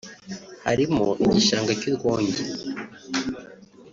harimo igishanga cy’Urwonjya